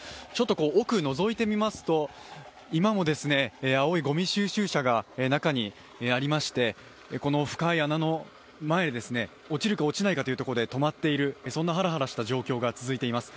奥をのぞいてみますと、今も青いごみ収集車が中にありまして、この深い穴の前で落ちるか落ちないかというところで止まっている、そんなはらはらした状態が続いています。